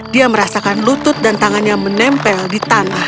dia merasakan lutut dan tangannya menempel di tanah